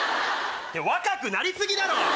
若くなり過ぎだろ！